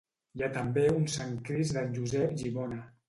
Hi ha també un sant crist d'en Josep Llimona.